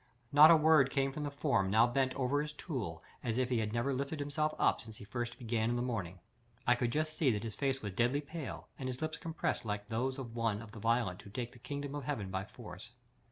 Not a word came from the form now bent over his tool as if he had never lifted himself up since he first began in the morning. I could just see that his face was deadly pale, and his lips compressed like those of one of the violent who take the kingdom of heaven by force.